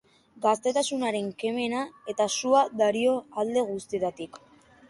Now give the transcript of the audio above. Gaztetasunaren kemena eta sua dario alde guztietatik.